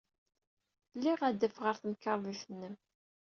Liɣ adaf ɣer temkarḍit-nnem.